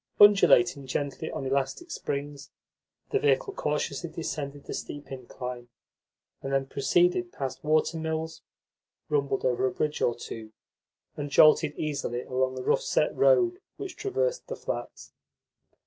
Undulating gently on elastic springs, the vehicle cautiously descended the steep incline, and then proceeded past water mills, rumbled over a bridge or two, and jolted easily along the rough set road which traversed the flats.